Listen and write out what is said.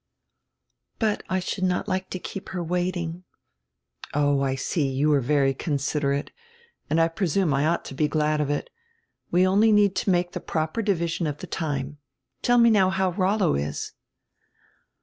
"But I should not like to keep her waiting." "Oh, I see, you are very considerate, and I presume I ought to he glad of it. We need only to make die proper division of die time — Tell me now how Rollo is."